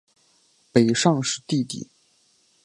北尚是弟弟。